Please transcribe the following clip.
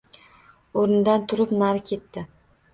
O‘rnidan turib nari ketdi